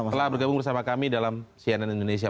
telah bergabung bersama kami dalam cnn indonesia